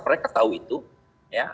mereka tahu itu ya